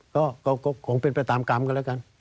ก็คงเป็นไปตามกรรมกันแล้วกัน